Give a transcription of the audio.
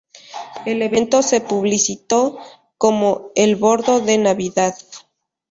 El evento se publicitó como "El Bordo de Navidad".